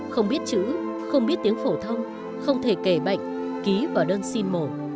không biết chữ không biết tiếng phổ thông không thể kể bệnh ký vào đơn xin mổ